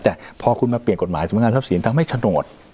แล้วแต่พอคุณมาเปลี่ยนกฎหมายสมงานทัพศีลทำให้ฉะโดด